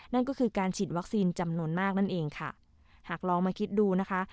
นั่นก็คือการฉีดวัคซีนจำนวนมากนั่นเองค่ะหากลองมาคิดดูนะคะ